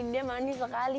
dia manis sekali